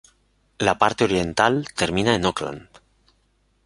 La parte oriental termina en Oakland.